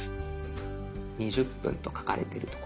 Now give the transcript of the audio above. ２０分と書かれてる所。